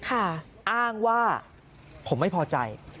อ้างว่าผมไม่พอใจ